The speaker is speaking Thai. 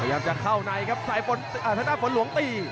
ขยับจะเข้าในครับฝนหลวงตี